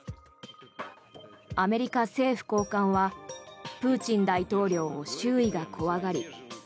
アメリカ政府高官はプーチン大統領を周囲が怖がり